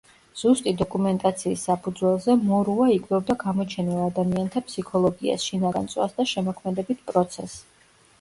ზუსტი დოკუმენტაციის საფუძველზე მორუა იკვლევდა გამოჩენილ ადამიანთა ფსიქოლოგიას, შინაგან წვას და შემოქმედებით პროცესს.